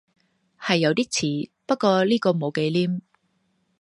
係有啲似，不過呢個冇忌廉